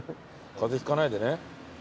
風邪ひかないでね。